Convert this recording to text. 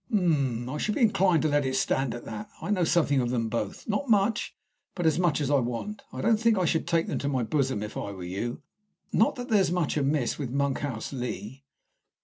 "Hum! I should be inclined to let it stand at that. I know something of them both. Not much, but as much as I want. I don't think I should take them to my bosom if I were you. Not that there's much amiss with Monkhouse Lee."